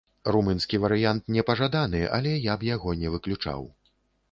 Румынскі варыянт не пажаданы, але я б яго не выключаў.